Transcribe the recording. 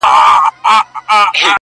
خو په ونه کي تر دوی دواړو کوچنی یم!.